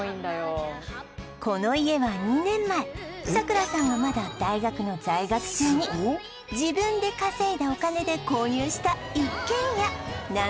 この家は２年前さくらさんがまだ大学の在学中に自分で稼いだお金で購入した一軒家なんですって